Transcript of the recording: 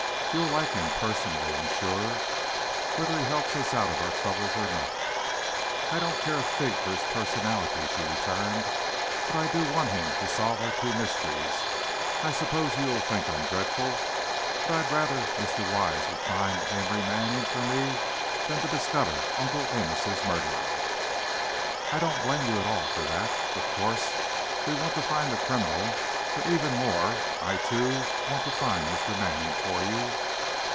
"You'll like his personality, I'm sure, whether he helps us out of our troubles or not." "I don't care a fig for his personality," she returned, "but I do want him to solve our two mysteries. I suppose you'll think I'm dreadful, but I'd rather Mr. Wise would find Amory Manning for me, than to discover Uncle Amos' murderer." "I don't blame you at all for that. Of course, we want to find the criminal, but even more, I too, want to find Mr. Manning for you."